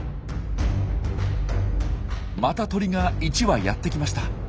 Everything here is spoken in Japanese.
また鳥が１羽やって来ました。